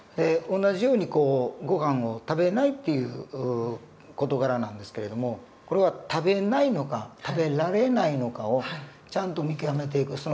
同じようにごはんを食べないっていう事柄なんですけれどもこれは食べないのか食べられないのかをちゃんと見極めていく。